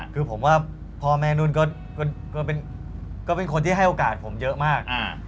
คือผมว่าพ่อแม่นุ่นก็เป็นคนที่ให้โอกาสผมเยอะมาก